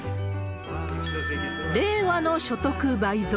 令和の所得倍増。